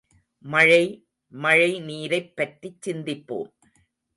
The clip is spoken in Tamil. மழை மழை நீரைப் பற்றிச் சிந்திப்போம்.